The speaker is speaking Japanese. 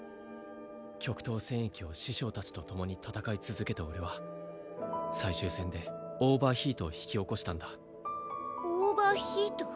極東戦役を師匠達とともに戦い続けた俺は最終戦でオーバーヒートを引き起こしたんだオーバーヒート？